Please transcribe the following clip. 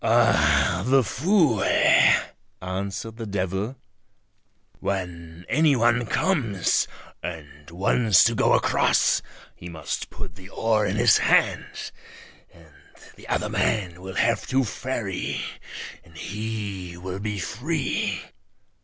"Ah! the fool," answered the devil; "when any one comes and wants to go across he must put the oar in his hand, and the other man will have to ferry and he will be free."